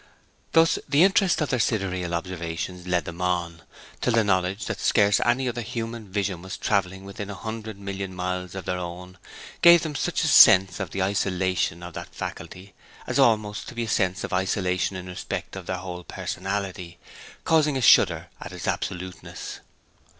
Thus the interest of their sidereal observations led them on, till the knowledge that scarce any other human vision was travelling within a hundred million miles of their own gave them such a sense of the isolation of that faculty as almost to be a sense of isolation in respect of their whole personality, causing a shudder at its absoluteness.